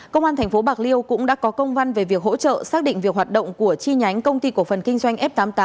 công an tp bạc liêu cũng đã có công văn về việc hỗ trợ xác định việc hoạt động của chi nhánh công ty cổ phần kinh doanh f tám mươi tám